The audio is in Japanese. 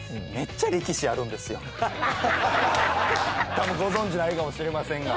多分ご存じないかもしれませんが。